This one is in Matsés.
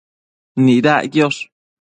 Nidac quiosh